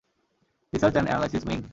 Research and analysis wing?